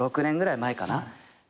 ５６年ぐらい前かな。